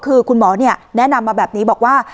คือคุณหมอแนะนำมาแบบนี้บอกว่า